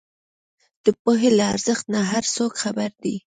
د پوهې له ارزښت نۀ هر څوک خبر دی